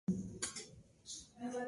Gestiona servicios para niños y familias.